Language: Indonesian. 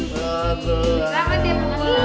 selamat ya bu